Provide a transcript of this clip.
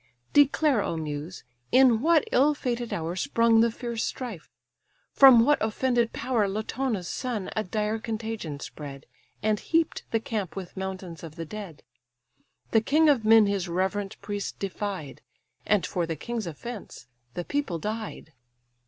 Declare, O Muse! in what ill fated hour Sprung the fierce strife, from what offended power Latona's son a dire contagion spread, And heap'd the camp with mountains of the dead; The king of men his reverent priest defied, And for the king's offence the people died.